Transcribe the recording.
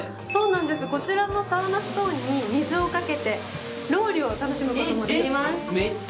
こちらのサウナストーンに水をかけてロウリュを楽しむこともできます。